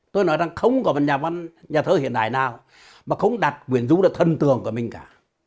tôi nói rằng không có một nhà văn nhà thơ hiện đại nào mà không đặt nguyện rũ ra thân tường của mình cả